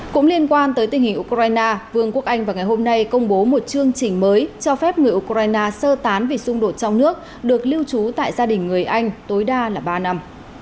cũng liên quan tới tình hình ukraine vương quốc anh vào ngày hôm nay công bố một chương trình mới cho phép người ukraine sơ tán vì xung đột trong nước được lưu trú tại gia đình người anh tối đa là ba năm